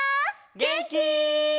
げんき？